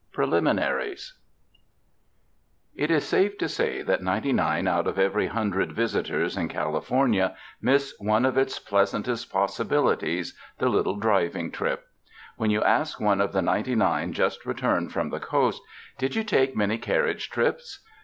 Preliminaries IT is safe to say that ninety nine out of every hun dred visitors in California miss one of its pleas antest possibilities, — the little driving trip. When you ask one of the ninety nine just returned from the Coast, ''Did you take many carriage trips!"